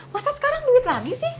masa sekarang duit lagi sih